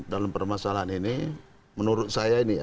dalam permasalahan ini menurut saya ini ya